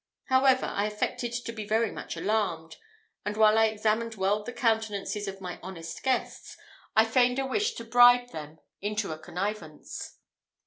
However, I affected to be very much alarmed; and while I examined well the countenances of my honest guests, I feigned a wish to bribe them into a connivance.